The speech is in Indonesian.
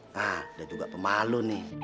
nah dia juga pemalu nih